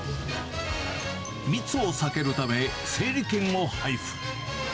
密を避けるため、整理券を配布。